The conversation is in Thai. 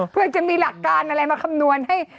เพื่อจะมีหลักการอะไรมาคำนวณให้